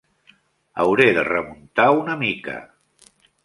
Hauré de remuntar una mica.